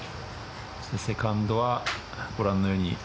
セカンドはご覧のように。